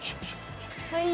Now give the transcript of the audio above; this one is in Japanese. はい。